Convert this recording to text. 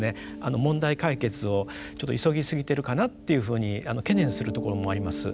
問題解決をちょっと急ぎすぎてるかなっていうふうに懸念するところもあります。